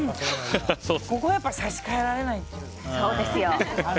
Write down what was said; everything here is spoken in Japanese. ここは差し替えられないっていう。